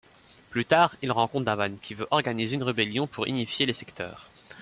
Plus tard, ils rencontrent Davan qui veut organiser une rébellion pour unifier les secteurs.